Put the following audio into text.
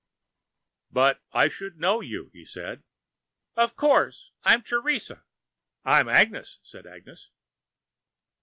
"But I should know you," he said. "Of course. I'm Teresa." "I'm Agnes," said Agnes.